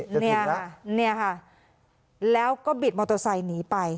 เนี่ยค่ะเนี่ยค่ะแล้วก็บิดมอเตอร์ไซค์หนีไป